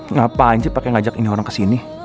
ngapain sih pake ngajak ini orang kesini